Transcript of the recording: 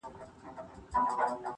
د هغه په زړه کي بل د میني اور وو-